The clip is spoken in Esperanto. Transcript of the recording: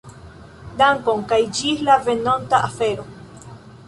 Dankon, kaj ĝis la venonta afero.